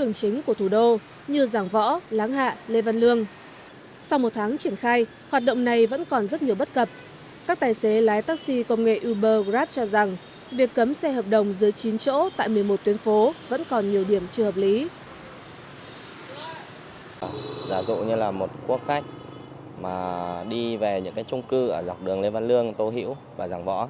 giả dụ như là một quốc khách mà đi về những cái trung cư ở dọc đường lê văn lương tô hữu và giảng võ